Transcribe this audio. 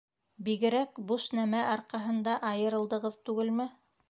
Бигерәк буш нәмә арҡаһында айырылдығыҙ түгелме?